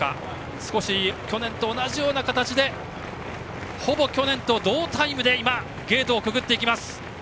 少し去年と同じような形でほぼ去年と同タイムでゲートをくぐっていきます。